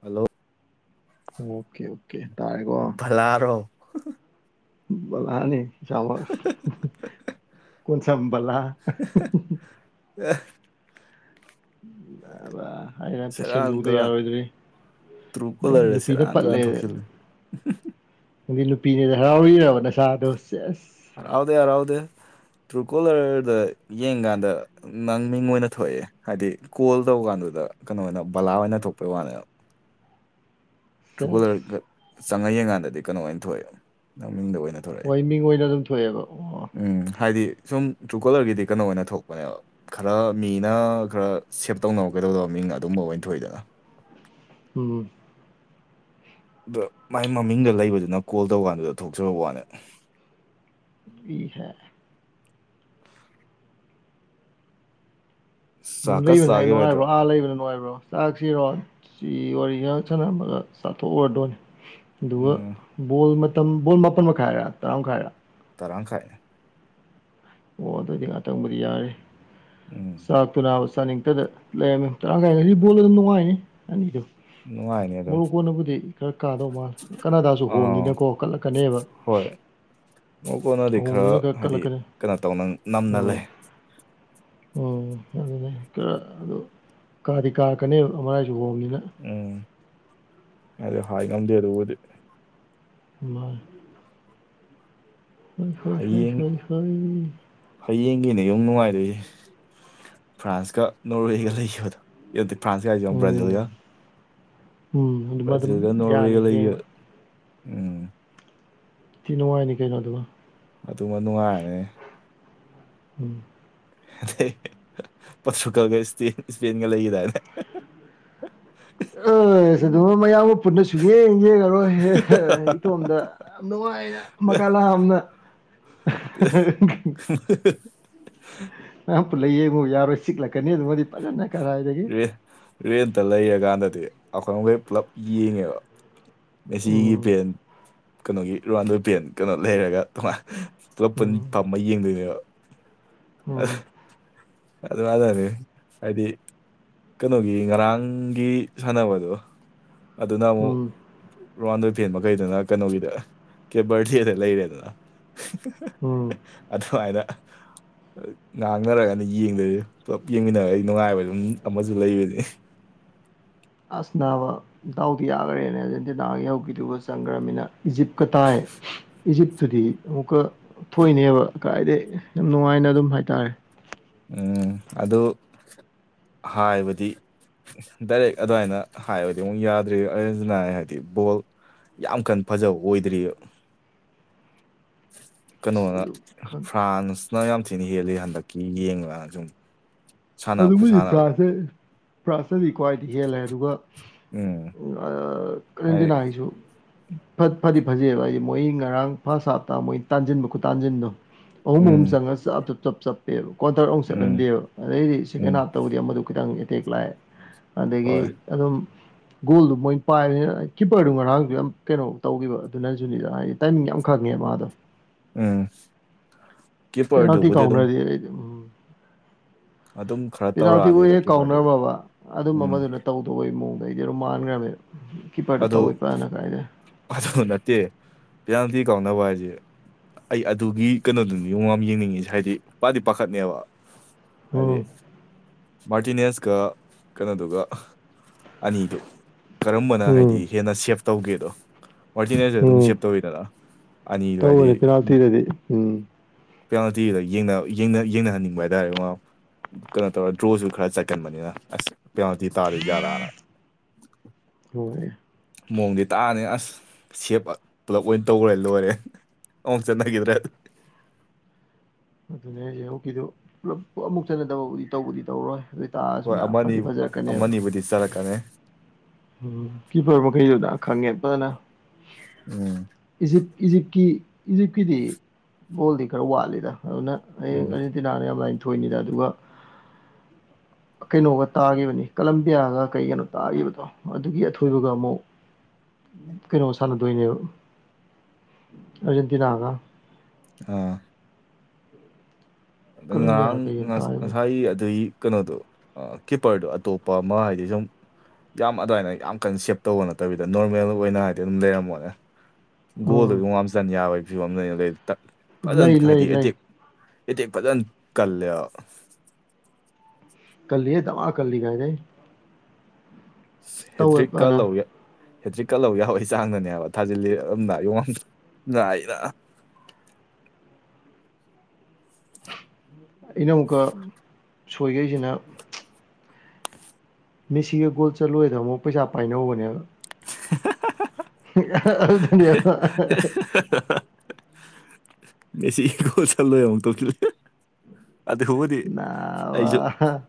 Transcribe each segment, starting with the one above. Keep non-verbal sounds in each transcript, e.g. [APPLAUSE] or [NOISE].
hello okay okay ꯇꯥꯔꯦꯀꯣ ꯚꯂꯥꯔꯣ ꯕꯂꯥꯅꯤ ꯆꯥꯎꯃ ꯀꯣꯟꯁꯕꯜꯂ ꯑ ꯑꯩꯅ ꯑꯝꯇ ꯁꯦꯔꯥꯟ ꯁꯦꯡꯗꯣꯛꯎꯗ ꯇꯨꯔꯥꯟ ꯌꯥꯔꯣꯏꯗ꯭ꯔꯔꯤ ꯇ꯭ꯔꯨ ꯅꯪꯗꯤ ꯀꯣꯂꯔꯗ ꯅꯨꯄꯤꯅ ꯁꯦꯔꯥꯟ ꯄꯠꯂꯦ ꯇꯨꯔꯥꯟ ꯊꯣꯛꯆꯤꯜꯂꯦ ꯍꯥꯏꯪꯗꯤ ꯅꯨꯄꯤꯅꯦ ꯍꯔꯥꯎꯕꯤꯔꯕ ꯅꯁꯥꯗꯣ ꯆꯁ ꯍꯔꯥꯎꯗꯦ ꯍꯔꯥꯎꯗꯦ ꯇ꯭ꯔꯨꯀꯣꯂꯔꯗ ꯌꯦꯡꯀꯥꯟꯗ ꯅꯪ ꯃꯤꯡ ꯑꯣꯏꯅ ꯊꯣꯛꯑꯦ ꯍꯥꯏꯗꯤ ꯀꯣꯜ ꯇꯧ ꯀꯥꯟꯗꯨꯗ ꯀꯩꯅꯣ ꯑꯣꯏꯅ ꯕꯂꯥ ꯑꯣꯏꯅ ꯊꯣꯛꯄꯩ ꯋꯥꯅꯦ ꯁꯦꯁ ꯇ꯭ꯔꯨꯀꯣꯂꯔꯒ ꯆꯪꯉ ꯌꯦꯡ ꯀꯥꯟꯗꯗꯤ ꯀꯩꯅꯣ ꯑ‌ꯣꯏꯅ ꯊꯣꯛꯑꯦ ꯃꯃꯤꯡꯗ ꯑꯣꯏꯅ ꯊꯣꯛꯂꯛꯑꯦ ꯍꯣꯏ ꯃꯤꯡ ꯑꯣꯏꯅ ꯑꯗꯨꯝ ꯊꯣꯛꯑꯦꯕ ꯑꯣ ꯎꯝ ꯍꯥꯏꯗꯤ ꯁꯨꯝ ꯇ꯭ꯔꯨꯀꯣꯂꯔꯒꯤꯗꯤ ꯀꯩꯅꯣ ꯑꯣꯏꯅ ꯊꯣꯛꯄꯅꯦꯕ ꯈꯔ ꯃꯤꯅ ꯈꯔ ꯁꯦꯞ ꯇꯧꯅꯕ ꯀꯩꯗꯧꯗꯕ ꯃꯤꯡ ꯑꯗꯨꯝꯕ ꯑꯣꯏꯅ ꯊꯣꯛꯏꯗ ꯎꯝ ꯑꯗ ꯃꯥꯏ ꯃꯃꯤꯡꯗ ꯂꯩꯕꯗꯨꯅ ꯀꯣꯜ ꯇꯧꯀꯥꯟꯗꯨꯗ ꯊꯣꯛꯆꯕ ꯋꯥꯅꯦ ꯏ ꯍꯥꯏ ꯌꯨꯝ ꯆꯥꯛꯀ ꯂꯩꯕꯅ ꯍꯥꯏ ꯆꯥꯒꯤꯔꯣꯏꯗ꯭ꯔꯣ ꯅꯨꯡꯉꯥꯏꯕ꯭ꯔꯣ ꯑꯥ ꯂꯩꯕꯅ ꯅꯨꯡꯉꯥꯏꯕ꯭ꯔꯣ ꯆꯥꯛꯁꯤꯔꯣ ꯆꯤ ꯋꯥꯔꯤ ꯉꯍꯥꯛ ꯁꯥꯟꯅꯔꯝꯃꯒ ꯆꯥꯊꯣꯛꯎꯔꯗꯣꯏꯅ‌ꯦ ꯑꯗꯨꯒ ꯎꯝ ꯕꯣꯜ ꯃꯇꯝ ꯕꯣꯜ ꯃꯥꯄꯟ ꯃꯈꯥꯏꯔ ꯇꯔꯥ ꯃꯈꯥꯏꯔꯥ ꯇꯔꯥꯡ ꯈꯥꯏꯦ ꯑꯣ ꯑꯗꯨꯑꯣꯏꯗꯤ ꯉꯥꯛꯇꯪꯕꯨꯗꯤ ꯌꯥꯔ‌ꯦ ꯎꯝ ꯆꯥꯛꯇꯨ ꯅꯥꯕ ꯆꯥꯅꯤꯡꯇꯗ ꯂꯩꯔꯝꯃꯦ ꯇꯔꯥꯡ ꯀꯥꯏꯗ ꯗꯩꯗꯤ ꯕꯣꯜ ꯑꯗꯨꯝ ꯅꯨꯡꯉꯥꯏꯍ‌ꯦ ꯇꯥꯅꯤꯡꯗ‌ꯦ ꯅꯨꯡꯉꯥꯏꯅꯤ ꯑꯗꯨꯝ ꯃꯣꯔꯣꯀꯣ ꯅꯕꯨꯗꯤ ꯈꯔ ꯀꯥꯗꯧ ꯃꯥꯜꯂꯦ ꯀꯅꯥꯗꯥꯖꯨ ꯑꯥ ꯍꯣꯝꯅꯤꯅꯀꯣ ꯀꯜꯂꯛꯀꯅꯦꯕ ꯍꯣꯏ ꯃ‌ꯣꯔ‌ꯣꯀꯣꯅꯗꯤ ꯈꯔ ꯍꯣꯝꯅꯤꯅ ꯍꯥꯏꯗꯤ ꯀꯠꯂꯛꯀꯅꯤ ꯀꯩꯅꯣ ꯇꯧꯅ ꯅꯝꯅ ꯎꯝ ꯂꯩ ꯎꯝ ꯑꯗꯨꯅꯦ ꯈꯔ ꯑꯗꯨ ꯀꯥꯗꯤ ꯀꯥꯔꯛꯀꯅꯦꯕ ꯃꯥꯏꯁꯨ ꯍꯣꯕꯅꯤꯅ ꯎꯝ ꯑꯗ‌ꯣ ꯍꯥꯏ ꯉꯝꯗꯦ ꯑꯗꯨꯕꯨꯗꯤ ꯃꯥ ꯍꯣꯏꯣꯏꯣꯏ ꯍꯌꯦꯡ ꯁꯣꯏꯣꯏ ꯍꯌꯦꯡꯒꯤꯅꯦ ꯌꯥꯝ ꯅꯨꯡꯉꯥꯏꯗꯣꯏꯖ‌ꯦ ꯐ꯭ꯔꯥꯟꯁ ꯀ ꯅꯣꯔꯋꯦꯒ ꯂꯩꯈꯤꯕꯗꯣ ꯑꯩꯗꯤ ꯐꯔꯥꯟꯁ ꯀ ꯍꯥꯏꯖ‌ꯦ ꯌ‌ꯦꯡꯑ‌‌ꯣ ꯎꯝ ꯕ꯭ꯔꯥꯖꯤꯜꯒ ꯎꯝ ꯑꯗꯨꯃ ꯑꯗꯨꯝ ꯕꯔꯥꯖꯤꯜ ꯒ ꯅꯣꯔꯋꯦ ꯌꯥꯅꯤ ꯒ ꯂꯩꯒ‌ꯦ ꯌꯦꯡꯕ ꯎꯝ ꯇꯤꯅ‌ꯣ ꯍꯥꯏꯗꯤ ꯀꯩꯅꯣ ꯑꯗꯨꯒ ꯑꯗꯨꯃ ꯅꯨꯡꯉꯥꯏꯔꯅꯤ ꯎꯝ ꯑꯗꯩ ꯄꯣꯔꯇꯨꯒꯜꯒ ꯏꯁꯄꯦꯟ ꯏꯁꯄꯦꯟꯒ ꯂꯩꯒꯤꯗꯥꯏꯅꯦ ꯑꯦꯁ ꯎꯝ ꯑꯗꯨꯃ ꯃꯌꯥꯝꯒ ꯄꯨꯟꯅ ꯁꯨꯛ ꯌꯦꯡ ꯌꯦꯡꯉꯔꯣꯏ ꯏꯇꯣꯝꯗ ꯌꯥꯝ ꯅꯨꯡꯉꯥꯏꯅ ꯃꯀꯥ ꯂꯥꯝꯅ [UNINTELLIGIBLE] ꯀꯅꯥꯝ ꯄꯨꯜꯂ ꯌꯦꯡꯉꯨ ꯌꯥꯔꯣꯏ ꯆꯤꯛꯂꯛꯀꯅꯤ ꯑꯗꯨꯃꯗꯤ ꯐꯖꯅ ꯀꯔꯥꯏꯗꯒꯤ ꯔꯦꯟ ꯔꯦꯟꯇ ꯂꯩꯔꯀꯥꯟꯗꯗꯤ ꯑꯈꯣꯏ ꯃꯈꯩ ꯄꯨꯂꯞ ꯌꯦꯡꯉꯦꯕ ꯃꯦꯁꯤꯒꯤ ꯎꯝ ꯄꯦꯟ ꯀꯩꯅꯣꯒꯤ ꯔꯨꯋꯥꯟꯗꯣꯏ ꯄꯦꯟ ꯀꯩꯅꯣ ꯂꯩꯔꯒ ꯇꯣꯉꯥꯟ ꯄꯨꯂꯞ ꯄꯨꯟ ꯎꯝ ꯐꯝꯃ ꯌꯦꯡꯗꯣꯏꯅꯦꯕ ꯎꯝ ꯑ ꯑꯗꯨ ꯑꯗꯔꯦ ꯑꯩꯗꯤ ꯀꯩꯅꯣꯒꯤ ꯉꯔꯥꯡꯒꯤ ꯁꯥꯟꯅꯕꯗꯣ ꯑꯗꯨꯅ ꯑꯃꯨꯛ ꯎꯝ ꯔ‌ꯣꯅꯥꯟꯗ‌ꯣ ꯐꯦꯟ ꯃꯈꯩꯗꯨꯅ ꯀꯩꯅꯣꯒꯤꯗ ꯀꯦꯕꯔ ꯊ‌ꯦꯠꯂ ꯂꯩꯔꯦꯗꯅ ꯎꯝ ꯑꯗꯨꯃꯥꯏꯅ ꯉꯥꯡꯅꯔꯒꯅ‌ ꯌꯦꯡꯗ‌ꯣꯏꯖ‌ꯦ ꯄꯨꯂꯞ ꯌꯦꯡꯃꯤꯟꯅꯔ ꯑꯩ ꯅꯨꯡꯉꯥꯏꯕ ꯑꯃꯖꯨ ꯂꯩꯕꯅꯤ ꯑꯁ ꯅꯕꯥ ꯗꯎꯗꯤ ꯌꯥꯗ‌ꯣꯔꯦꯅ ꯑꯔꯖꯦꯟꯇꯤꯅꯥꯒ ꯌꯧꯈꯤꯗꯨꯒ ꯆꯪꯈ꯭ꯔꯃꯤꯅ ꯏꯖꯤꯞꯀ ꯇꯥꯏ ꯏꯖꯤꯞꯇꯨꯗꯤ ꯑꯃꯨꯛꯀ ꯊꯣꯏꯅꯦꯕ ꯀꯥꯏꯗꯩ ꯅꯨꯡꯉꯥꯏꯅ ꯑꯗꯨꯝ ꯍꯥꯏꯇꯥꯔꯦ ꯎꯝ ꯑꯗꯨ ꯍꯥꯏꯕꯗꯤ ꯗꯥꯏꯔꯦꯛ ꯑꯗꯨꯃꯥꯏꯅ ꯍꯥꯏꯕꯗꯤ ꯑꯃꯨꯛ ꯌꯥꯗ꯭ꯔꯤ ꯕ ꯑꯔꯖ‌ꯦꯟꯇꯤꯅꯥ ꯍꯥꯏꯗꯤ ꯕꯣꯜ ꯌꯥꯝ ꯀꯟ ꯐꯖꯕ ꯑꯣꯏꯗ꯭ꯔꯤ ꯌ‌ꯦ ꯑꯁ ꯀꯩꯅꯣꯅ ꯑꯗꯨ ꯈꯪ ꯐ꯭ꯔꯥꯟꯁꯅ ꯌꯥꯝ ꯊꯤꯅ ꯍꯦꯜꯂꯤ ꯍꯟꯗꯛꯀꯤ ꯌꯦꯡꯕ ꯀꯥꯟ ꯁꯨꯝ ꯁꯥꯟꯅ ꯍꯧꯖꯤꯛ ꯄꯨꯗꯤ ꯈꯨꯁꯥꯟꯅꯗꯣ ꯐ꯭ꯔꯥꯟꯁ ꯅ ꯐ꯭ꯔꯥꯟꯁ ꯅ ꯔꯤꯀꯋꯥꯏꯇ ꯍꯦꯜꯂꯦ ꯑꯗꯨꯒ ꯎꯝ ꯇꯋ‌ꯦꯟꯇꯤ ꯍꯥꯏ ꯅꯥꯏꯟ ꯒꯤꯁꯨ ꯐꯠ ꯐꯗꯤ ꯐꯖꯩꯑꯕ ꯍꯥꯏꯗꯤ ꯃꯣꯏ ꯉꯔꯥꯡ ꯐꯥꯔꯁ ꯍꯥꯞꯇꯥ ꯃꯣꯏ ꯇꯥꯟꯁꯤꯟꯕ ꯈꯨꯠ ꯇꯥꯟꯖꯤꯟꯗꯣ ꯑꯍꯨꯝ ꯑꯍꯨꯝ ꯎꯝ ꯆꯪꯉꯒ ꯆꯞꯞ ꯆꯞ ꯆꯞ ꯆꯞꯄꯦꯕ ꯀ꯭ꯟꯊꯔꯛ ꯑꯨꯛ ꯎꯝ ꯆꯠꯍꯟꯗꯦꯕ ꯑꯗꯩꯗꯤ ꯁꯦꯀꯦꯟ ꯎꯝ ꯍꯥꯞꯇꯕꯨꯗꯤ ꯑꯃꯗꯨ ꯈꯤꯇꯪ ꯑꯦꯇꯦꯛ ꯂꯥꯛꯑꯦ ꯑꯗꯒꯤ ꯍꯣꯏ ꯑꯗꯨꯝ ꯒꯣꯜꯗꯨ ꯃꯣꯏꯅ ꯄꯥꯏꯕꯅꯤꯅ ꯀꯤꯄꯔꯗꯨ ꯉꯔꯥꯡꯁꯨ ꯌꯥꯝ ꯀꯩꯅꯣ ꯇꯧꯈꯤꯕ ꯑꯗꯨꯅꯖꯨꯅꯤꯗ ꯍꯥꯏꯗꯤ ꯇꯥꯏꯃꯤ ꯌꯥꯝ ꯈꯪꯉꯦꯕ ꯃꯥꯗꯣ ꯎꯝ ꯀ ꯄꯦꯅꯥꯜꯇꯤ ꯄꯔꯗꯨꯕꯨꯗꯤ ꯑꯗꯨꯝ ꯀꯥꯎꯅꯔꯗꯤ ꯑꯩꯗꯤ ꯎꯝ ꯑꯗꯨꯝ ꯈꯔ ꯄꯦꯅꯥꯜꯇꯤꯕꯨ ꯇꯧꯔꯛꯑꯅꯤꯗ ꯍꯦꯛ ꯀꯤꯞꯄꯔꯗꯨꯕꯨꯗꯤ ꯀꯥꯎꯅꯔꯝꯃꯕ ꯑꯗꯨꯝꯕ ꯎꯝ ꯑꯃꯗꯨꯅ ꯇꯧꯗꯧꯕꯩ ꯃꯑꯣꯡꯗ ꯑꯩꯗꯤ ꯑꯗꯨꯝ ꯃꯥꯟꯈ꯭ꯔꯃꯦꯕ ꯑꯗꯨ ꯑꯗꯨ ꯅꯠꯇꯦ ꯄꯤꯌꯥꯟꯇꯤ ꯀꯥꯎꯅꯕ ꯍꯥꯏꯁꯦ ꯑꯩ ꯑꯗꯨꯒꯤ ꯀꯩꯅꯣꯗꯨꯅꯤ ꯌꯦ ꯑꯃ ꯌꯦꯡꯅꯤꯡꯉꯤꯁꯦ ꯍꯥꯏꯗꯤ ꯄꯥꯗꯤ ꯄꯥꯈꯠꯅꯦꯕ ꯍꯥꯢꯗꯤ ꯎꯝ ꯃꯥꯔꯇꯤꯅꯦꯁꯀ ꯀꯩꯅꯣꯗꯨꯒ ꯑꯅꯤꯗꯨ ꯀꯔꯝꯕꯅ ꯍꯥꯏ ꯎꯝ ꯍꯦꯟꯅ ꯁꯦꯞ ꯇꯧꯒꯦꯗꯣ ꯑꯣꯔꯖꯤꯅꯦꯜꯁꯦ ꯑꯗꯨꯝ ꯎꯝ ꯁꯦꯞ ꯇꯧꯋꯤꯗꯅ ꯑꯅꯤꯗꯨ ꯍꯥꯏꯗꯤ ꯇꯧꯕꯅꯤ ꯄꯦꯅꯥꯜꯇꯤꯗꯗꯤ ꯎꯝ ꯄꯦꯅꯥꯜꯇꯤꯗ ꯌꯦꯡꯅꯍꯟꯅꯤꯡꯕ ꯍꯥꯏꯇꯥꯔꯦ ꯃꯥ ꯀꯩꯅꯣ ꯇꯧꯔ ꯗ꯭ꯔꯣꯁꯨ ꯈꯔ ꯆꯠꯀꯟꯕꯅꯤꯅ ꯑꯁ ꯄꯦꯅꯥꯜꯇꯤ ꯇꯥꯗꯣꯏꯖꯥꯠꯂꯥꯅ ꯍꯣꯏ ꯃꯑꯣꯡꯗꯤ ꯇꯥꯅꯤ ꯑꯁ ꯁꯦꯞ ꯄꯨꯂꯞ ꯑꯣꯏꯅ ꯇꯧꯈꯔꯦ ꯂꯣꯏꯔꯦ ꯑꯣ ꯆꯉꯒꯗ꯭ꯔꯦ ꯑꯗꯨ ꯑꯗꯨꯅꯦ ꯑꯩꯁꯦ ꯍꯣꯛꯀꯤꯗꯨ ꯄꯨꯂꯞ ꯑꯃꯨꯛ ꯆꯠꯟꯅꯗꯕꯕꯨꯗꯤ ꯇꯧꯕꯨꯗꯤ ꯇꯧꯔꯣꯏ ꯑꯗꯨꯏ ꯇꯥꯛꯑꯁꯨꯅ ꯐꯗꯤ ꯐꯖꯔꯛꯀꯅꯦꯕ ꯕꯨꯗꯤ ꯆꯠꯔꯛꯀꯅꯤ ꯎꯝ ꯀꯤꯄꯔ ꯃꯈꯩꯗꯨꯗꯤ ꯈꯪꯉꯦ ꯐꯖꯅ ꯎꯝ ꯏꯖꯤꯞ ꯏꯖꯤꯞꯀꯤ ꯏꯖꯤꯞꯀꯤꯗꯤ ꯕꯣꯜꯗꯤ ꯈꯔ ꯋꯥꯠꯂꯤꯗ ꯑꯗꯨꯅ ꯍꯌꯦꯡ ꯎꯝ ꯑꯅꯤ ꯇꯤꯅꯥꯅ ꯌꯥꯝ ꯂꯥꯏꯅ ꯊꯣꯏꯅꯤꯗ ꯑꯗꯨꯒ ꯀꯩꯅꯣꯒ ꯇꯥꯈꯤꯕꯅꯤ ꯀꯂꯝꯕꯤꯌꯥꯒ ꯀꯩ ꯀꯩꯅꯣ ꯇꯥꯈꯤꯕꯗꯣ ꯑꯗꯨꯒꯤ ꯑꯊꯣꯏꯕꯒ ꯑꯃꯨꯛ ꯀꯩꯅꯣꯃ ꯁꯥꯟꯅꯗꯣꯏꯅꯦꯕ ꯑꯔꯖꯦꯟꯇꯤꯅꯥ ꯍꯥꯏꯒ ꯑꯥ ꯑ ꯀꯂꯝꯕꯤꯌꯥ ꯉꯔꯥꯡ ꯀꯩ ꯀꯩꯅꯣ ꯇꯥꯈꯤꯕꯗꯣ ꯉꯁꯥꯏ ꯑꯗꯨꯒꯤ ꯀꯩꯅꯣꯗꯣ ꯀꯤꯞꯄꯔꯗꯣ ꯑꯇꯣꯞꯄ ꯑꯃ ꯍꯥꯏꯗꯤ ꯁꯨꯝ ꯌꯥꯝ ꯑꯗꯨꯃꯥꯏꯅ ꯌꯥꯝ ꯀꯟ ꯁꯦꯞ ꯇꯧꯕ ꯅꯠꯇꯕꯤꯗ ꯅꯣꯔꯃꯦꯜ ꯑꯣꯏꯅ ꯍꯥꯏꯗꯤ ꯑꯗꯨꯝ ꯂꯩꯔꯝꯃꯣꯅꯦ ꯎꯝ ꯒꯣꯜꯗꯨꯒꯤ ꯃꯝ ꯆꯟ ꯌꯥꯕꯒꯤ ꯐꯤꯕꯝ ꯑꯃꯗꯅ ꯂꯩ ꯐꯖꯅ ꯂꯩ ꯍꯥꯏꯗꯤ ꯂꯩ ꯑꯦꯇꯦꯛ ꯏꯗꯤ ꯐꯖꯅ ꯀꯜꯂꯦꯕ ꯀꯜꯂꯤꯌꯦ ꯃ ꯀꯜꯂꯤ ꯀ ꯍꯦꯗ꯭ꯔꯤꯛꯀ ꯐꯅ ꯂꯧꯔꯦ ꯍꯦꯇ꯭ꯔꯤꯛ ꯀꯠꯂꯧꯕ ꯌꯥꯎꯕꯩ ꯆꯥꯡꯗꯅꯦꯕ ꯊꯥꯖꯤꯜꯂꯤ ꯑꯗꯨꯝꯗ ꯌꯦꯡꯉꯝꯏꯔ ꯑꯩꯅ ꯑꯃꯨꯛꯀ ꯁꯣꯏꯒꯦꯁꯤꯅ ꯃꯦꯁꯤꯒ ꯒꯣꯜ ꯆꯠꯂꯨꯔꯦꯗ ꯑꯃꯨꯛ ꯄꯩꯁꯥ ꯄꯥꯏꯅꯧꯕꯅꯦꯕ [INAUDIBLE] [INAUDIBLE] ꯍꯥꯍꯥꯍꯥ [INAUDIBLE] ꯃꯦꯁꯤ ꯒꯣꯜ ꯆꯜꯂꯣꯏ ꯑꯃꯨꯛ ꯇꯧꯁꯜꯂꯛꯑꯦ ꯑꯗꯨꯕꯨꯗꯤ ꯅꯥꯕ ꯑꯩꯁꯨ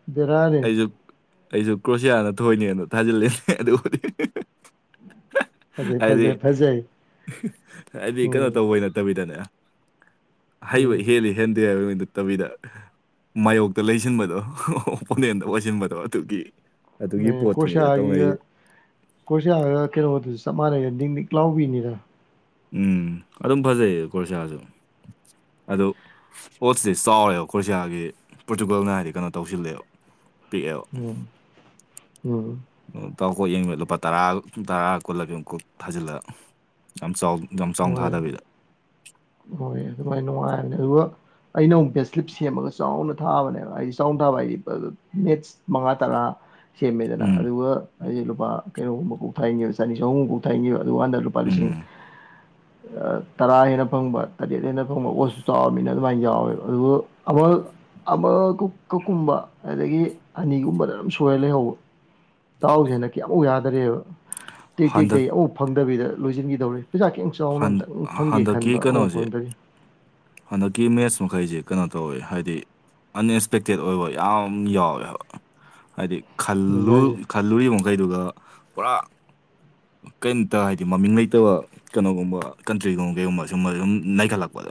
ꯕꯦꯔꯥꯅꯤ ꯑꯩꯁꯨ ꯑꯩꯁꯨ ꯀ꯭ꯔꯣꯁꯤꯌꯥꯅ ꯊꯣꯏꯅꯦꯅ ꯊꯥꯖꯤꯜꯂꯤꯅꯦ ꯑꯗꯨꯕꯨꯗꯤ ꯐꯖꯩ ꯍꯥꯏꯗꯤ ꯐꯖꯩ ꯐꯖꯩ ꯍꯥꯏꯗꯤ ꯀꯩꯅꯣ ꯎꯝ ꯇꯧꯕꯩ ꯅꯠꯇꯕꯤꯗꯅꯦ ꯍꯩꯕ ꯎꯝ ꯍꯦꯜꯂꯤ ꯍꯦꯟꯗꯦ ꯍꯥꯏꯕꯒꯤ ꯅꯇꯕꯤꯗ ꯃꯥꯌꯣꯛꯇ ꯂꯩꯁꯤꯟꯕꯗꯣ ꯑꯣꯄꯣꯅꯦꯟꯗ ꯑꯣꯏꯁꯤꯟꯕꯗꯣ ꯑꯗꯨꯒꯤ ꯑꯗꯨꯒꯤ ꯎꯝ ꯄꯣꯠꯇꯨꯅꯤꯗ ꯇꯧꯅꯔꯤ ꯀ꯭ꯔꯣꯁꯤꯌꯥꯒꯤ ꯀ꯭ꯔꯣꯁꯤꯌꯥꯒ ꯀꯩꯅꯣꯗꯨꯁꯨ ꯆꯞ ꯃꯥꯟꯅꯩ ꯅꯤꯛ ꯅꯤꯛ ꯂꯥꯎꯕꯤꯅꯤꯗ ꯎꯝ ꯑꯗꯨꯝ ꯐꯖꯩꯌꯦ ꯈꯣꯔꯁꯥꯁꯨ ꯑꯗꯨ ꯄꯣꯠꯁꯦ ꯆꯥꯎꯔꯦꯕ ꯀ꯭ꯔꯣꯁꯤꯌꯥꯒꯤ ꯄꯣꯔꯇꯨꯒꯜꯅ ꯍꯥꯏꯗꯤ ꯀꯩꯅꯣ ꯇꯧꯁꯤꯜꯂꯦꯕ ꯄꯤꯛꯑꯦꯕ ꯎꯝ ꯎꯝ ꯗꯥꯎ ꯀꯣꯛ ꯌꯦꯡꯕ ꯂꯨꯄꯥ ꯇꯔꯥ ꯇꯔꯥ ꯀꯣꯜꯂ ꯀꯩꯅꯣ ꯀꯣꯛ ꯊꯥꯖꯤꯜꯂꯒ ꯌꯥꯝ ꯆꯥꯎ ꯌꯥꯝ ꯆꯥꯎꯅ ꯍꯣꯏ ꯊꯥꯗꯕꯤꯗ ꯍꯣꯏ ꯑꯗꯨꯃꯥꯏꯅ ꯅꯨꯡꯉꯥꯏꯕꯅꯦ ꯑꯗꯨꯒ ꯑꯩꯅ ꯑꯃꯨꯛ ꯕꯦꯠꯁꯂꯤꯞ ꯁꯦꯝꯃꯒ ꯆꯥꯎꯅ ꯊꯥꯕꯅꯦꯕ ꯍꯥꯏꯗꯤ ꯆꯥꯎꯅ ꯊꯥꯕ ꯍꯥꯏꯗꯤ ꯃꯦꯠꯁ ꯃꯉꯥ ꯇꯔꯥ ꯁꯦꯝꯃꯦꯗꯅ ꯎꯝ ꯑꯗꯨꯒ ꯑꯩꯁꯦ ꯂꯨꯄꯥ ꯀꯩꯅꯣꯒꯨꯝꯕ ꯀꯣꯛ ꯊꯥꯏꯟꯒꯤꯕ ꯆꯅꯤ ꯆꯍꯨꯝꯒꯨꯝꯕ ꯊꯥꯏꯍꯟꯒꯤꯕ ꯑꯗꯨꯀꯥꯟꯗ ꯂ ꯂꯨꯄꯥ ꯂꯤꯁꯤꯡ ꯎꯝ ꯑ ꯇꯔꯥ ꯍꯦꯟꯅ ꯐꯪꯕ ꯇꯔꯦꯠ ꯍꯦꯟꯅ ꯐꯪꯕ ꯑꯣꯠꯁꯨ ꯆꯥꯎꯔꯃꯤꯅ ꯑꯗꯨꯃꯥꯏꯅ ꯌꯥꯎꯋꯦꯕ ꯑꯗꯨꯕꯨ ꯑꯃ ꯑꯃ ꯀ ꯀꯀꯨꯝꯕ ꯑꯗꯒꯤ ꯑꯅꯤꯒꯨꯝꯕꯗ ꯑꯗꯨꯝ ꯁꯣꯏꯔ ꯂꯩꯍꯧꯕ ꯇꯥꯎꯁꯦꯅ ꯀꯌꯥꯃꯨꯛ ꯌꯥꯗꯔꯦꯕ ꯇꯦꯛ ꯇꯦꯛ ꯍꯟꯗꯛ ꯇꯩ ꯑꯝꯕꯧ ꯐꯪꯗꯕꯤꯗ ꯂꯣꯏꯁꯤꯟꯈꯤꯗꯧꯔꯦ ꯄꯩꯁꯥ ꯀꯩꯝ ꯆꯥꯎꯅ ꯍꯟ ꯑꯝꯇꯪ ꯐꯪꯒꯦ ꯍꯟꯗꯛꯀꯤ ꯈꯟꯕ ꯑꯝꯕꯧ ꯀꯩꯅꯣꯁꯦ ꯐꯪꯗꯔꯤ ꯍꯟꯗꯛꯀꯤ ꯃꯦꯠꯁ ꯃꯈꯩꯁꯦ ꯀꯩꯅꯣ ꯇꯧꯋꯦ ꯍꯥꯏꯗꯤ ꯑꯟꯑꯦꯛꯁꯄꯦꯛꯇꯦꯠ ꯑꯣꯏꯕ ꯌꯥꯝ ꯌꯥꯎꯋꯦꯕ ꯍꯥꯏꯗꯤ ꯑꯗꯨꯅꯤ ꯈꯜꯂꯨ ꯍꯥꯏꯁꯦ ꯈꯜꯂꯨꯔꯤꯕ ꯃꯈꯩꯗꯨꯒ ꯄꯨꯔꯥ ꯀꯩꯝꯇ ꯍꯥꯏꯗꯤ ꯃꯃꯤꯡ ꯂꯩꯇꯕ ꯀꯩꯅꯣꯒꯨꯝꯕ ꯀꯟꯇ꯭ꯔꯤꯒꯨꯝꯕ ꯀꯩꯒꯨꯝꯕ ꯁꯨꯝꯕ ꯑꯗꯨꯝ ꯅꯩꯠꯂꯛꯄꯗꯣ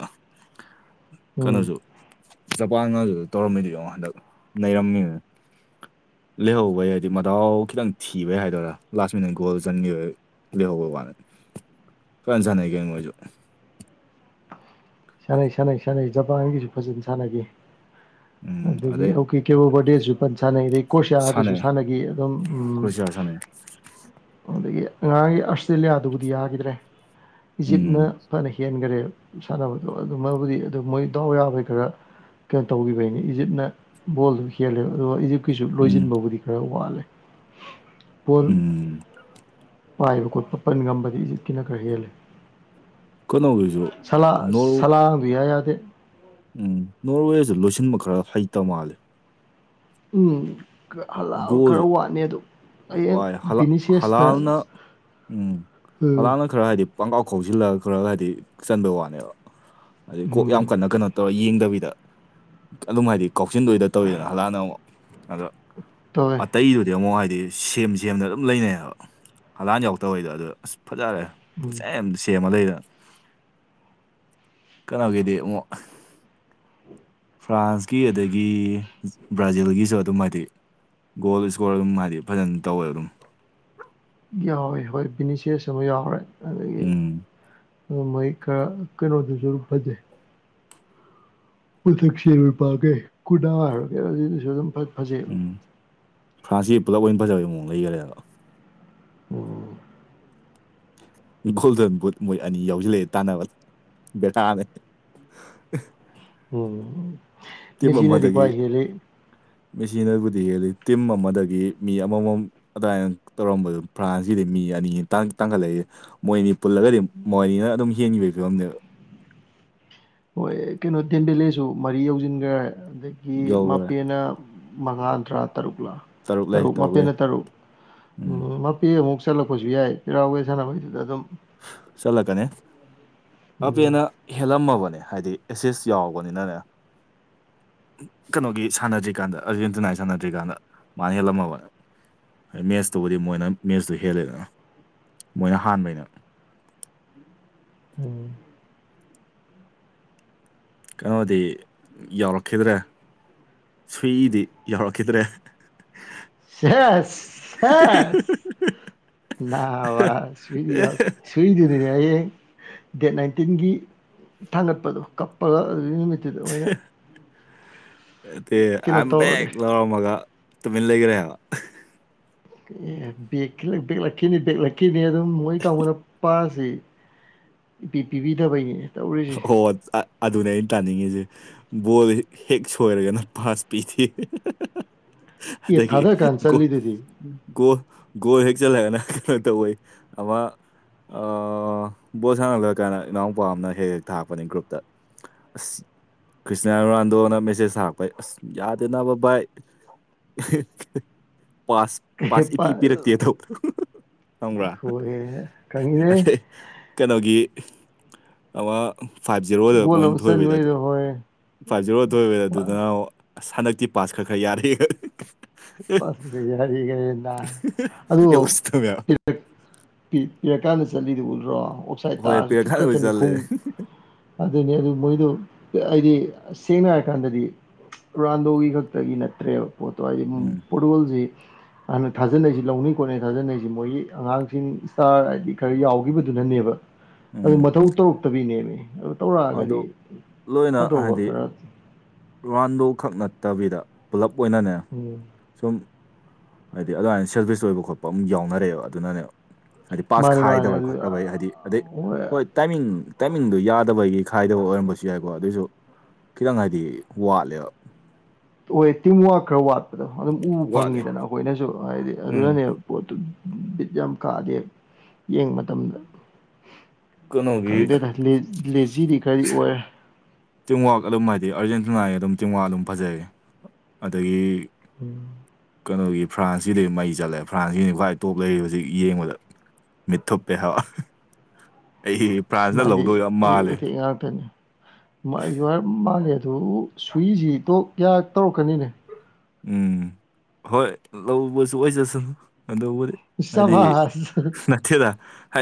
ꯎꯝ ꯀꯩꯅꯣꯁꯨ ꯖꯄꯥꯟꯒꯁꯨ ꯇꯧꯔꯝꯃꯤꯗꯨ ꯌꯦꯡꯉꯣ ꯍꯟꯗꯛ ꯅꯩꯔꯝꯃꯤꯅ ꯂꯩꯍꯧꯕꯩ ꯍꯥꯏꯗꯤ ꯃꯗꯥꯎ ꯈꯤꯇꯪ ꯊꯤꯕꯩ ꯍꯥꯏꯗꯣꯏꯔꯥ ꯂꯥꯁ ꯃꯤꯅꯤꯠ ꯒꯣꯜ ꯆꯟꯒꯤꯕꯩ ꯂꯩꯍꯧꯕ ꯋꯥꯅꯤ ꯀꯟꯅ ꯁꯥꯟꯅꯩ ꯀꯩꯅꯣ ꯃꯣꯏꯁꯨ ꯁꯥꯟꯅꯩ ꯁꯥꯟꯅꯩ ꯁꯥꯟꯅꯩ ꯖꯄꯥꯟꯒꯤꯁꯨ ꯐꯖꯅ ꯁꯥꯟꯅꯒꯤ ꯎꯝ ꯑꯗꯒꯤ ꯑꯗꯩ ꯑꯣꯀꯦ ꯀꯦꯕꯣ ꯕꯔꯗꯦꯁꯨ ꯐꯟ ꯁꯥꯟꯅꯩ ꯑꯗꯩ ꯀꯣꯔꯁꯤꯌꯥꯗꯨꯁꯨ ꯁꯥꯟꯅꯈꯤ ꯑꯗꯨꯝ ꯎꯝ ꯁꯥꯅꯩ ꯑꯗꯒꯤ ꯑꯉꯥꯡꯒꯤ ꯑꯔꯁꯇꯦꯂꯤꯌꯥꯗꯨꯕꯨꯗꯤ ꯌꯥꯈꯤꯗ꯭ꯔꯦ ꯏꯖꯤꯞꯅ ꯎꯝ ꯐꯅ ꯍꯦꯟꯈꯔꯦ ꯁꯥꯟꯅꯕꯗꯣ ꯑꯗꯨꯃꯕꯨꯗꯤ ꯑꯗꯨ ꯃꯣꯏ ꯗꯥꯎ ꯌꯥꯕꯩ ꯈꯔ ꯀꯩꯅꯣ ꯇꯧꯈꯤꯕꯩꯅꯦ ꯏꯖꯤꯞꯅ ꯕꯣꯜꯗꯨ ꯍꯦꯂꯦꯕ ꯑꯗꯨꯒ ꯏꯖꯤꯞ ꯀꯤꯁꯨ ꯎꯝ ꯂꯣꯏꯁꯤꯟꯕꯕꯨꯗꯤ ꯈꯔ ꯋꯥꯠꯂꯦ ꯕꯣꯜ ꯎꯝ ꯄꯥꯏꯕ ꯈꯣꯠꯄ ꯄꯟ ꯉꯝꯕꯗꯤ ꯏꯖꯤꯠꯀꯤꯅ ꯈꯔ ꯍꯦꯜꯂꯦ ꯀꯩꯅꯣꯒꯤꯁꯨ ꯁꯂꯥ ꯅꯣꯔ [INAUDIBLE] ꯏꯌꯥ ꯌꯥꯗꯦ ꯎꯝ ꯅꯣꯔꯋꯦꯁꯨ ꯂꯣꯏꯁꯤꯟꯕ ꯈꯔ ꯍꯩꯇ ꯃꯥꯜꯂꯦ ꯎꯝ ꯈꯔ ꯍꯜꯂꯥꯜ ꯈꯔ ꯒꯣꯜꯁꯦ ꯋꯥꯠꯅꯦ ꯑꯗꯣ ꯍꯌꯦꯡ ꯋꯥꯏ ꯍꯂꯥ ꯕꯤꯅꯤꯁꯦꯁꯅ ꯍꯂꯥꯜꯅ ꯎꯝ ꯍꯂꯥꯟꯅ ꯈꯔ ꯍꯥꯏꯗꯤ ꯄꯥꯡꯒꯥꯎ ꯈꯧꯁꯤꯜꯂ ꯈꯔꯒ ꯍꯥꯏꯗꯤ ꯆꯟꯕꯩ ꯋꯥꯅꯦꯕ ꯍꯥꯏꯗꯤ ꯀꯣꯛ ꯌꯥꯝ ꯎꯝ ꯀꯟꯅ ꯀꯩꯅꯣ ꯇꯧꯔ ꯌꯦꯡꯗꯕꯤꯗ ꯑꯗꯨꯝ ꯍꯥꯏꯗꯤ ꯀꯥꯎꯁꯤꯟꯗꯣꯏꯗ ꯇꯧꯋꯤꯗꯅ ꯍꯂꯥꯟꯅ ꯑꯃꯨꯛ ꯑꯗ ꯇꯧꯋꯦ ꯇꯩꯗꯨꯗꯤ ꯑꯃꯨꯛ ꯍꯥꯏꯗꯤ ꯁꯦꯝ ꯁꯦꯝꯗꯅ ꯑꯗꯨꯝ ꯂꯩꯅꯩꯑꯕ ꯍꯂꯥꯟ ꯌꯥꯎꯗꯕꯩꯗꯣ ꯑꯗꯨꯗ ꯑꯁ ꯐꯖꯔꯦ ꯎꯝ ꯄꯪꯁꯦꯝꯗ ꯁꯦꯝꯃ ꯂꯩꯗꯅ ꯀꯩꯅꯣꯒꯤꯗꯤ ꯑꯃꯨꯛ ꯐ꯭ꯔꯥꯟꯁꯀꯤ ꯑꯗꯒꯤ ꯕ꯭ꯔꯥꯖꯤꯜꯒꯤꯁꯨ ꯑꯗꯨꯝ ꯍꯥꯏꯗꯤ ꯒꯣꯜ ꯏꯁꯀꯣꯔ ꯑꯗꯨꯝ ꯍꯥꯏꯗꯤ ꯐꯖꯅ ꯇꯧꯋꯦ ꯑꯗꯨꯝ ꯌꯥꯎꯋꯦ ꯍꯣꯏ ꯕꯤꯅꯤꯁꯦꯁ ꯑꯃ ꯌꯥꯎꯔꯦ ꯑꯗꯒꯤ ꯎꯝ ꯃꯩ ꯈ ꯀꯩꯅꯣꯗꯨꯁꯨ ꯐꯖꯩ ꯄꯊꯛꯁꯤꯔꯣꯏ ꯄꯒꯦ ꯀꯨꯔꯗꯥ ꯍꯥꯏꯔꯒꯦ ꯑꯗꯨꯅꯁꯨ ꯑꯗꯨꯝ ꯐꯖꯩꯑꯕ ꯐ꯭ꯔꯥꯟꯁꯁꯤ ꯄꯨꯂꯞ ꯑꯣꯏꯅ ꯐꯖꯕꯩ ꯃꯑꯣꯡ ꯂꯩꯈꯔꯦꯗꯕ ꯎꯝ ꯒꯣꯜꯗꯟ ꯕꯨꯠ ꯃꯣꯏ ꯑꯅꯤ ꯌꯥꯎꯁꯤꯜꯂꯛꯑꯦ ꯇꯥꯟꯅꯕ ꯕꯦꯔꯥꯅꯦ ꯎꯝ ꯇꯤꯝ ꯃꯦꯁꯤꯅꯗꯤ ꯑꯃꯗꯒꯤ ꯈ꯭ꯋꯥꯏ ꯍꯦꯜꯂꯤ ꯃꯦꯆꯤꯟꯅꯕꯨꯗꯤ ꯍꯦꯜꯂꯤ ꯇꯤꯝ ꯑꯃꯗꯒꯤ ꯃꯤ ꯑꯃꯃꯝ ꯑꯗꯨꯃꯥꯏꯅ ꯇꯧꯔꯝꯕꯗꯨ ꯐ꯭ꯔꯥꯟꯁꯀꯤꯗꯤ ꯃꯤ ꯑꯅꯤ ꯇꯥꯡꯈꯠꯂꯛꯏ ꯃꯣꯏꯅꯤ ꯄꯨꯜꯂꯒꯗꯤ ꯃꯣꯏꯅꯤꯅ ꯑꯗꯨꯝ ꯌꯦꯡꯈꯤꯕꯒꯤ ꯐꯤꯕꯝꯅꯦꯕ ꯍꯣꯏ ꯑꯦ ꯀꯩꯅꯣ ꯇꯦꯟꯗꯦꯜꯂꯦꯁꯨ ꯃꯔꯤ ꯌꯧꯁꯤꯟꯈ꯭ꯔꯦ ꯑꯗꯒꯤ ꯌꯧꯈꯔꯦ ꯃꯄꯦꯅ ꯃꯉꯥ ꯇꯔꯥ ꯇꯔꯨꯛꯂꯥ ꯇꯔꯨꯛ ꯃꯥꯄꯦꯟꯅ ꯇꯔꯨꯛ ꯎꯝ ꯄꯦꯛ ꯑꯃꯨꯛ ꯆꯠꯂꯛꯄꯁꯨ ꯌꯥꯏ ꯄꯦꯔꯥꯎꯕꯦ ꯁꯥꯟꯅꯕꯩꯗꯨꯗ ꯑꯗꯨꯝ ꯆꯂ ꯀꯅꯦ ꯎꯝ ꯑꯄꯤꯦꯅ ꯍꯦꯜꯂꯝꯃꯕꯅꯦ ꯍꯥꯏꯗꯤ ꯑꯦꯁꯦꯁ ꯌꯥꯎꯕꯅꯤꯅꯅꯦ ꯀꯩꯅꯣꯒꯤ ꯁꯥꯟꯅꯗ꯭ꯔꯤꯀꯥꯟꯗ ꯑꯔꯖꯦꯟꯇꯤꯅꯥꯒꯤ ꯁꯥꯟꯅꯗ꯭ꯔꯤꯀꯥꯟꯗ ꯃꯥꯅ ꯍꯦꯜꯂꯝꯃꯕꯅꯦ ꯃꯦꯠꯁꯇꯨꯕꯨꯗꯤ ꯃꯣꯏꯅ ꯃꯦꯠꯁꯇꯨ ꯍꯦꯜꯂꯦꯗꯅ ꯃꯣꯏꯅ ꯍꯥꯟꯕꯩꯩꯅ ꯎꯝ ꯀꯩꯅꯣꯗꯤ ꯌꯥꯧꯔꯛꯈꯤꯗ꯭ꯔꯦ ꯁꯨꯏꯗꯤ ꯌꯥꯎꯔꯛꯈꯤꯗ꯭ꯔꯦ ꯁꯦꯁ ꯁꯦ ꯅ ꯋꯥ ꯁꯗ ꯁꯨꯏꯗꯨꯅꯤꯅꯦ ꯍꯌꯦꯡ ꯗꯦꯠ ꯅꯥꯏꯟꯇꯤꯟꯒꯤ ꯊꯥꯡꯒꯠꯄꯗꯣ ꯀꯞꯄꯒ ꯑꯗꯨ ꯅꯨꯃꯤ ꯑꯗꯨꯗ ꯑꯣꯏꯅ ꯑ ꯀꯩꯅꯣ ꯇꯧꯔꯒꯦ ꯦꯛ ꯂꯥꯛ ꯃꯒꯥ ꯇꯃꯤ ꯂꯩꯒꯔ ꯑꯦ ꯕ ꯕꯦꯛꯂꯛꯈꯤꯅꯤ ꯕꯦꯛꯂꯛꯈꯤꯅꯤ ꯑꯗꯨꯝ ꯃꯣꯏ ꯀꯥꯡꯕꯨꯅ ꯄꯥꯔꯁꯤ ꯏ ꯄꯤꯕꯤꯗꯕꯩꯅꯦ ꯇꯧꯔꯤꯁꯦ ꯍꯣꯏ ꯑꯗꯨꯅꯦ ꯑꯩꯅ ꯇꯥꯅꯤꯡꯉꯤꯁꯦ ꯕꯣꯜ ꯍꯦꯛ ꯁꯣꯏꯔꯒꯅ ꯄꯥꯁ ꯄꯤꯊꯦ ꯑꯦ ꯑꯗꯨꯗꯒꯤꯣ ꯊꯥꯗꯔꯀꯥꯟ ꯆꯠꯂꯤꯗꯨꯗꯤ ꯒꯣꯜ ꯒꯣꯜ ꯍꯦꯛ ꯆꯜꯂꯒꯅ ꯀꯩꯅꯣ ꯇꯧꯋꯏ ꯑꯃ ꯕꯣꯜ ꯁꯥꯟꯅꯂ ꯀꯥꯟꯅ ꯏꯅꯥꯎꯄꯥ ꯑꯃꯅ ꯍꯦꯛ ꯍꯦꯛ ꯊꯥꯛꯔꯛꯄꯅꯦ ꯒ꯭ꯔꯨꯞꯇ ꯑꯁ ꯈ꯭ꯔꯤꯁꯇꯌꯥ ꯔꯣꯅꯥꯜꯗꯣꯅ ꯃꯦꯁꯦꯖ ꯊꯥꯛꯄꯩ ꯑꯁ ꯌꯥꯗꯦꯅꯕ ꯕꯥꯏ ꯄꯥꯁ ꯄꯥꯁ ꯏꯄꯤ ꯄꯤꯔꯛꯇꯦꯗꯣ ꯈꯪꯕ꯭ꯔꯥ ꯍꯣꯏ ꯈꯪꯉꯤꯅꯦ ꯀꯩꯅꯣꯒꯤ ꯑꯃ ꯐꯥꯏꯚ ꯖꯦꯔꯣꯗ ꯒꯣꯜ ꯃꯣꯏ ꯑꯃ ꯊꯣꯏꯕꯩꯗ ꯆꯟꯕꯩꯗꯣ ꯍꯣꯏ ꯐꯥꯏꯚ ꯖꯦꯔꯣ ꯊꯣꯏꯕꯗ ꯄꯥ- ꯑꯗꯨꯗꯨꯅ ꯁꯟꯗꯛꯇꯤ ꯄꯥꯁ ꯈꯔ ꯈꯔ ꯌꯥꯔꯦ ꯀ ꯌꯥꯔ ꯀ ꯌꯦꯅ ꯑꯗꯨꯗ ꯌꯧꯁꯤꯠꯇꯕ ꯀꯤꯔꯀꯥꯅ ꯆꯜꯂꯤꯗꯨ ꯎꯜꯔꯣ ꯑꯣꯁ ꯉꯥꯏ ꯍꯣꯏ ꯇꯥꯔꯁꯨ ꯇꯨꯠ ꯄꯤꯔꯛꯀꯥꯟꯗ ꯑꯣꯏ ꯈꯛꯇꯅꯤ ꯆꯜꯂꯦ ꯈꯣꯡ ꯑꯗꯨꯅꯤ ꯑꯗꯨ ꯃꯣꯏꯗꯣ ꯑꯩꯗꯤ ꯁꯦꯡꯅ ꯍꯥꯏꯔꯀꯥꯟꯗꯗꯤ ꯔꯥꯟꯗꯣꯒꯤ ꯈꯛꯇꯒꯤ ꯅꯠꯇ꯭ꯔꯦꯕ ꯄꯣꯠꯇꯣ ꯍꯥꯏꯗꯤ ꯎꯝ ꯐꯣꯔꯠꯒꯣꯜꯁꯤ ꯑꯗꯨꯅ ꯊꯥꯖꯅꯩꯁꯤ ꯂꯧꯅꯤꯩ ꯈꯣꯠꯅꯩ ꯊꯥꯖꯅꯔꯤꯁꯤ ꯃꯣꯏꯒꯤ ꯑꯉꯥꯡꯁꯤꯡ ꯏꯁꯇꯥꯔ ꯍꯥꯏꯗꯤ ꯈꯔ ꯌꯥꯎꯒꯤꯈꯤꯕꯗꯨꯅꯅꯦꯕ ꯑꯗꯨ ꯎꯝ ꯃꯊꯧ ꯇꯧꯔꯛꯇꯕꯤꯅꯦꯃꯤ ꯑꯗꯨ ꯑꯗꯨ ꯇꯧꯔꯛꯑꯒꯗꯤ ꯐꯗꯧꯕ ꯈꯔ ꯔꯨꯔꯥꯟꯗꯣ ꯈꯛ ꯅꯠꯇꯕꯤꯗ ꯄꯨꯜꯂꯞ ꯑꯣꯏꯅꯅꯦ ꯎꯝ ꯁꯝ ꯍꯥꯏꯗꯤ ꯑꯗꯨꯃꯥꯏꯅ ꯁꯦꯜꯕꯤꯁ ꯂꯣꯏꯕ ꯈꯣꯠꯄ ꯑꯃꯝ ꯌꯥꯎꯅꯔꯛꯦ ꯑꯗꯨꯅꯅꯦꯕ ꯍꯥꯏꯗꯤ ꯄꯥꯁ ꯃꯥꯅꯤ ꯃꯥꯅꯤ ꯈꯥꯏꯗꯕꯩ ꯑꯗꯨ ꯈꯣꯠꯇꯕꯩ ꯍꯥꯏꯗꯤ ꯑꯗꯩ ꯍꯣꯏ ꯇꯥꯏꯃꯤꯡ ꯇꯥꯏꯃꯤꯡꯗꯨ ꯌꯥꯗꯕꯒꯤ ꯈꯥꯏꯗꯕ ꯑꯣꯏꯔꯝꯕꯁꯨ ꯌꯥꯏꯕ ꯑꯗꯨꯁꯨ ꯈꯤꯇꯪ ꯍꯥꯏꯗꯤ ꯋꯥꯠꯂꯦꯕ ꯑꯣꯏ ꯇꯤꯝ ꯋꯥꯔꯛ ꯈꯔ ꯋꯥꯠꯄꯗꯣ ꯑꯗꯨꯝ ꯎꯕ ꯋꯥꯠꯂꯦ ꯐꯪꯉꯤꯗꯅ ꯑꯩꯈꯣꯏꯅꯁꯨ ꯍꯥꯏꯗꯤ ꯎꯝ ꯑꯗꯨꯅꯅꯦꯕ ꯄꯣꯠꯇꯨ ꯕꯤꯠ ꯌꯥꯝ ꯀꯥꯗꯦ ꯌꯦꯡꯕ ꯃꯇꯝꯗ ꯀꯩꯅꯣꯒꯤ ꯈꯪꯗꯦꯗ ꯂꯦꯂꯦꯖꯤꯗꯤ ꯀꯔꯤ ꯑꯣꯏꯔꯦ ꯇꯤꯝꯋꯥꯛ ꯑꯗꯨꯝ ꯍꯥꯏꯗꯤ ꯑꯥꯔꯖꯦꯟꯇꯤꯅꯥꯏꯒꯤ ꯑꯗꯨꯝ ꯇꯤꯝꯋ ꯑꯗꯨꯝ ꯐꯖꯩ ꯑꯗꯒꯤ ꯎꯝ ꯀꯩꯅꯣꯒꯤ ꯐ꯭ꯔꯥꯟꯁꯤꯗꯤ ꯃꯩ ꯆꯠꯂꯦ ꯐ꯭ꯔꯥꯟꯁꯒꯤꯅꯤ ꯈ꯭ꯋꯥꯏ ꯇꯣꯞ ꯂꯩꯔꯤ ꯍꯧꯖꯤꯛ ꯌꯦꯡꯕꯗ ꯃꯤꯠꯊꯨꯞꯄꯦꯍꯥꯌꯕ ꯑꯩꯗꯤ ꯐ꯭ꯔꯥꯟꯁꯤꯅ ꯂꯧꯗꯣꯏ ꯃꯥꯜꯂꯦ ꯂꯧꯗꯣꯏꯅꯤ ꯑꯩꯁꯨ ꯃꯥꯜꯂꯦ ꯑꯗꯨ ꯁꯨꯏꯁꯤ ꯇꯣꯛ ꯀꯌꯥ ꯇꯧꯈꯔꯥꯅꯤꯅꯦ ꯎꯝ ꯍꯣꯏ ꯂꯧꯕꯁꯨ ꯑꯣꯏꯖꯁꯅꯨ ꯑꯗꯨꯕꯨꯗꯤ ꯍꯥꯏꯗꯤ ꯁꯕꯥꯁ ꯅꯠꯇꯦꯗ ꯍꯥꯏꯗꯤ